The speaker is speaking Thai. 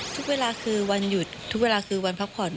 ทุกเวลาคือวันหยุดทุกเวลาคือวันพักผ่อน